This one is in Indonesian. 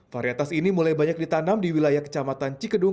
varietas ini mulai banyak ditanam di wilayah kecamatan cikedung